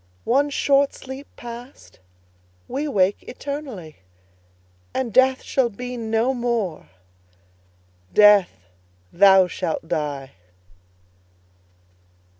One short sleep past, we wake eternally, And Death shall be no more: Death, thou shalt die!